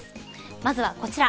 まずは、こちら。